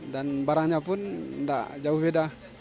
dan barangnya pun tidak jauh berbeda